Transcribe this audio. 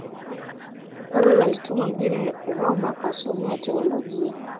karol alitumwa mjini roma akasome teolojia